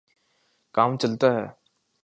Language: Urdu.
کام چلتا ہے۔